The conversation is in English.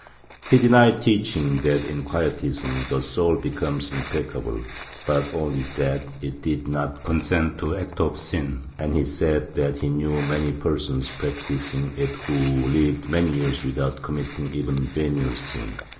He denied teaching that in Quietism the soul becomes impeccable, but only that it did not consent to the act of sin and he said that he knew many persons practising it who lived many years without committing even venial sin.